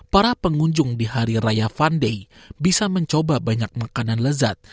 para pengunjung di hari raya fun day bisa mencoba banyak makanan lezat